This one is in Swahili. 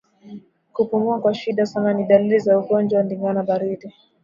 Kupumua kwa shida sana ni dalili za ugonjwa wa ndigana baridi